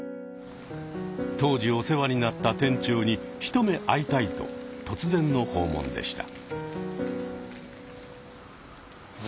当時お世話になった店長に一目会いたいと突然の訪問でした。